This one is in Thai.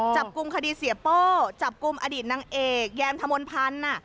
จับกลุ่มคดีเสียโป้จับกลุ่มอดีตนางเอกแยมธมนต์พันธ์